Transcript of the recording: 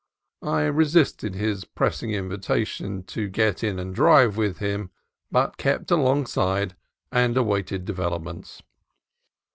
I resisted his pressing invitation to get in and drive with him, but kept alongside and awaited developments.